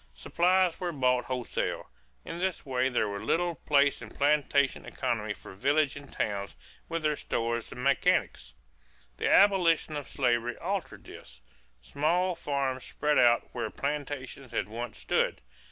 Supplies were bought wholesale. In this way there was little place in plantation economy for villages and towns with their stores and mechanics. The abolition of slavery altered this. Small farms spread out where plantations had once stood.